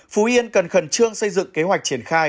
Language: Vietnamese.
phú yên cần khẩn trương xây dựng kế hoạch triển khai